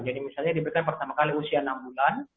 jadi misalnya diberikan pertama kali usia enam bulan